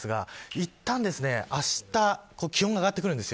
いったん、あした気温が上がってきます。